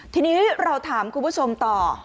ทีนี้เราถามคุณผู้ชมต่อ